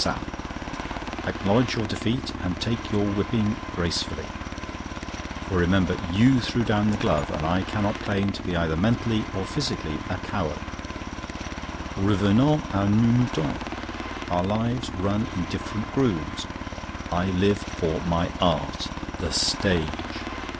sap_. Acknowledge your defeat, and take your whipping gracefully; for remember you threw down the glove, and I cannot claim to be either mentally or physically a coward! "Revenons à nos moutons. "Our lives run in different grooves. I live for MY ART—THE STAGE.